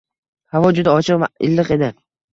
Havo juda ochiq va iliq edi…